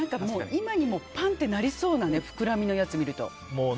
今にもパンってなりそうなふくらみのやつを見ると。